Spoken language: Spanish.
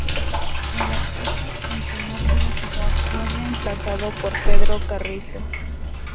En las fechas en que no pudo jugar fue reemplazado por Pedro Carrizo.